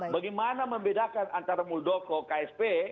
bagaimana membedakan antara muldoko ksp